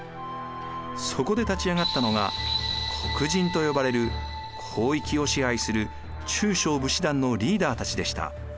そこで立ち上がったのが国人と呼ばれる広域を支配する中小武士団のリーダーたちでした。